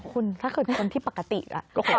อ๋อคุณถ้าเกิดคนที่ปกติอ่ะ